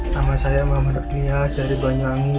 nama saya muhammad rekniah dari banyuwangi